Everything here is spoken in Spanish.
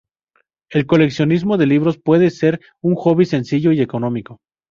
El coleccionismo de libros puede ser un hobby sencillo y económico.